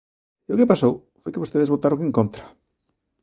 E o que pasou foi que vostedes votaron en contra.